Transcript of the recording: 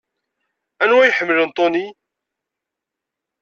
Anwa ay iḥemmlen Tony?